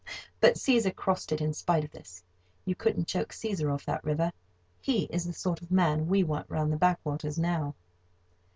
But Cæsar crossed in spite of this. You couldn't choke Cæsar off that river. He is the sort of man we want round the backwaters now.